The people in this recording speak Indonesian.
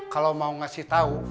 kalau mau ngasih tahu